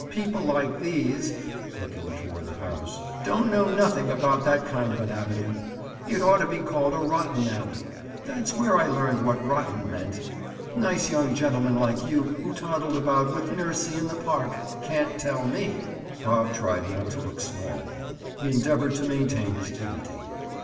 People like these"—looking toward the house—"don't know nothing about that kind of an avenue. It ought to be called a rotten alley. That's where I learned what 'rotten' meant. Nice young gentlemen like you who toddled about with nursie in the park can't tell me." Bob tried not to look small; he endeavored to maintain his dignity.